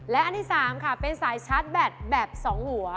และอันที่๓ค่ะเป็นสายชาร์จแบตแบบ๒หัว